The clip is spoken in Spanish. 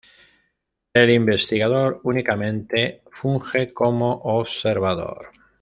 El investigador únicamente funge como observador.